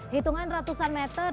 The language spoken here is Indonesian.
hitungan ratusan meter